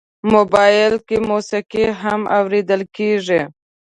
موبایل کې موسیقي هم اورېدل کېږي.